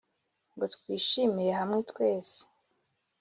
Ngo twishimire hamwe twese